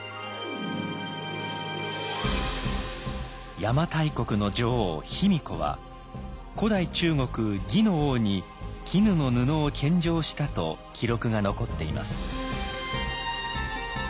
邪馬台国の女王卑弥呼は古代中国・魏の王に絹の布を献上したと記録が残っています。